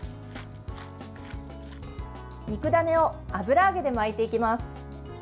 肉ダネを油揚げで巻いていきます。